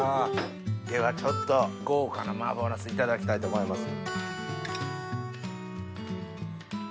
ではちょっと豪華な麻婆ナスいただきたいと思います。